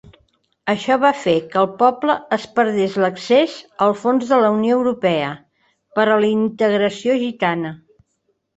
Això va fer que el poble es perdés l'accés als fons de la Unió Europea per a la integració gitana.